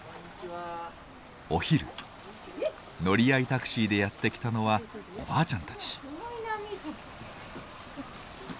お昼乗り合いタクシーでやって来たのはおばあちゃんたち。